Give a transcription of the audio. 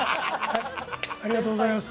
ありがとうございます。